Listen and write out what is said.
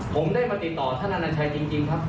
ผมได้มาติดต่อท่านอนัญชัยจริงครับ